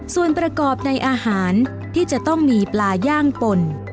ส่วนประกอบในอาหารที่จะต้องมีปลาย่างป่น